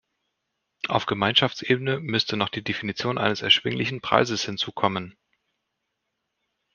Auf Gemeinschaftsebene müsste noch die Definition eines erschwinglichen Preises hinzukommen.